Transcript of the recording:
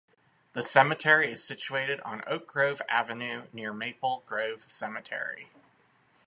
The cemetery is situated on Oak Grove Avenue near Maple Grove Cemetery.